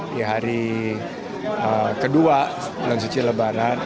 di hari kedua bulan suci lebaran